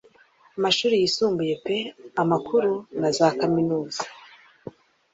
Amashuri yisumbuye pe amakuru na za kaminuza